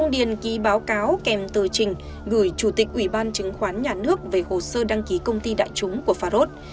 điền ký báo cáo kèm tờ trình gửi chủ tịch ủy ban chứng khoán nhà nước về hồ sơ đăng ký công ty đại chúng của pharos